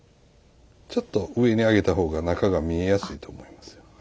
ちょっと上にあげた方が中が見えやすいと思います。